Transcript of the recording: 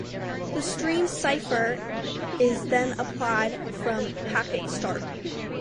The stream cipher is then applied from packet start.